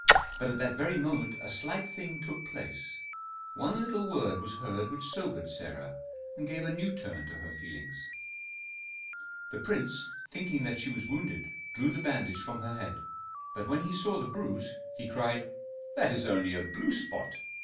But at that very moment a slight thing took place, one little word was heard which sobered Sarah, and gave a new turn to her feelings. The prince, thinking that she was wounded, drew the bandage from her head; but when he saw the bruise, he cried, "That is only a blue spot!